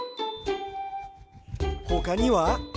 ほかには？